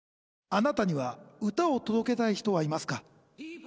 あなたには歌を届けたい人はいますか？